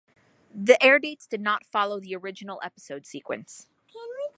The airdates did not follow the original episode sequence.